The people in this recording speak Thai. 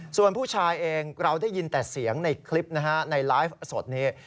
ส่วนผู้ชายเองเราได้ยินแต่เสียงในคลิปนะฮะในไลฟ์สดนี้